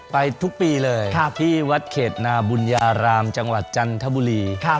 ไปทุกปีเลยที่วัดเขตนาบุญญารามจังหวัดจันทบุรี